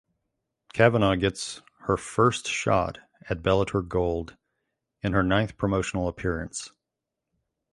Kavanagh gets her first shot at Bellator gold in her ninth promotional appearance.